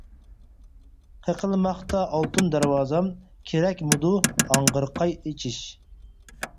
قېقىلماقتا ئالتۇن دەرۋازام، كېرەكمىدۇ ھاڭغىرقاي ئېچىش؟ !